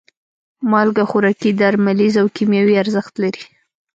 مالګه خوراکي، درملیز او کیمیاوي ارزښت لري.